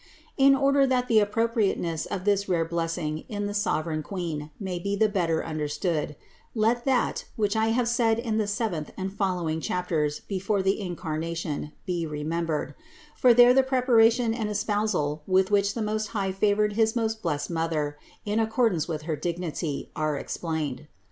In order that the appropriateness of this rare blessing in the sovereign Queen may be the better understood, let that, which I have said in the seventh and following chapters before the Incarnation, be remembered; for there the preparation and espousal with which the Most High favored his most blessed Mother in accordance with her dignity, are explained.